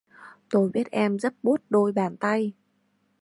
Tôi biết em rất buốt đôi bàn tay